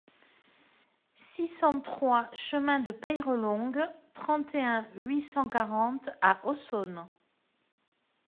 six cent trois cHEMIN DE PEYRELONG, trente et un, huit cent quarante à Aussonne